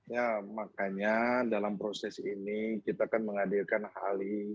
ya makanya dalam proses ini kita kan menghadirkan ahli